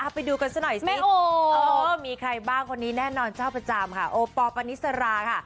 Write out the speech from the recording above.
ไปดูกันซะหน่อยสิมีใครบ้างคนนี้แน่นอนเจ้าประจำค่ะโอปอลปานิสราค่ะ